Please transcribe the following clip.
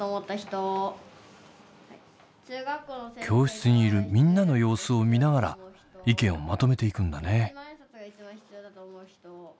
教室にいるみんなの様子を見ながら意見をまとめていくんだね。